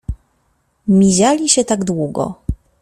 ” Miziali się tak długo.